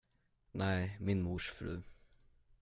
Nej, min mors fru.